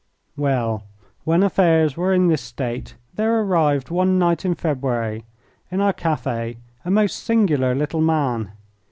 Well, when affairs were in this state there arrived one night in February, in our cafe, a most singular little man.